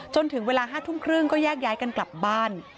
จนถึงเวลา๕ทุ่มครึ่งก็แยกย้ายกันกลับบ้าน